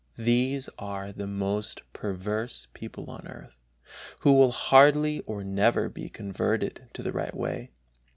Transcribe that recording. These are the most perverse people on earth, who will hardly or never be converted to the right way.